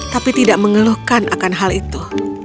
tapi tidak mengeluhkan akan hal itu